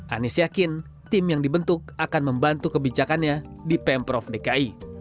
anies yakin tim yang dibentuk akan membantu kebijakannya di pemprov dki